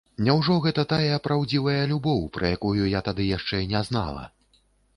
Няўжо гэта тая праўдзівая любоў, пра якую я тады яшчэ не знала?